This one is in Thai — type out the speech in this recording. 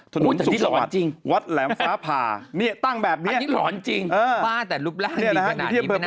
ถนนศุกรวรรษวัตรแหลมฟ้าผ่าเนี่ยตั้งแบบนี้อันนี้หลอนจริงฝ้าแต่รูปร่างดีขนาดนี้ไม่น่าตกใจ